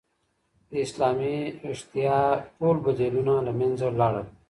د اسلامي ویښتیا ټول بدیلونه له منځه لاړل.